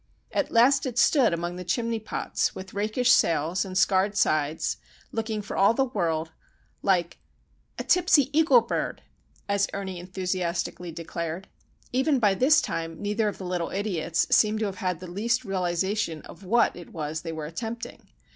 At last it stood among the chimney pots, with rakish sails and scarred sides, looking for all the world like "a tipsy eagle bird," as Ernie enthusiastically declared. Even by this time neither of the little idiots seems to have had the least realisation of what it was they were attempting.